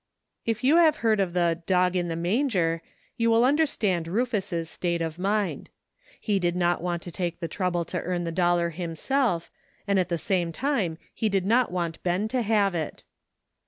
If you have heard of the "dog in the manger" you will understand Rufus's state of mind. He ^id npt ws^pt tP t^He tl^e trouble to earn thp ''A PRETTY STATE OF THINGS^ 49 dollar himself, and at the same time he did not want Ben to have it.